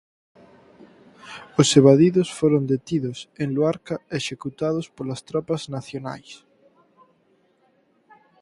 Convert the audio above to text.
Os evadidos foron detidos en Luarca e executados polas tropas nacionais.